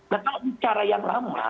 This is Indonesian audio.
nah kalau bicara yang lama